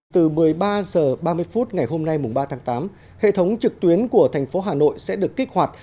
từ một mươi ba h ba mươi phút ngày hôm nay mùng ba tháng tám hệ thống trực tuyến của thành phố hà nội sẽ được kích hoạt